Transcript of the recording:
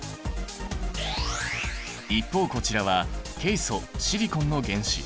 一方こちらはケイ素・シリコンの原子。